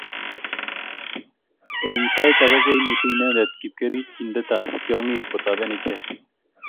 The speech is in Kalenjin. eng' sait age ko imutu inendet kipkerichondetab tyong'ik kotoben ichek